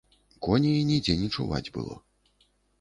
Коней нідзе не чуваць было.